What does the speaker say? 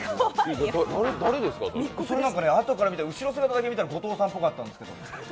後ろ姿だけ見たら、後藤さんっぽかったんですけど。